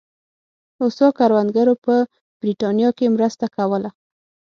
هوسا کروندګرو په برېټانیا کې مرسته کوله.